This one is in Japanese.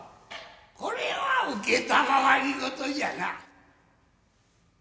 これは承り事じゃな。